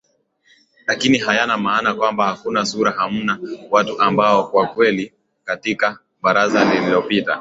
lakini hayana maana kwamba hakuna sura hamna watu ambao kwa kweli katika baraza lililopita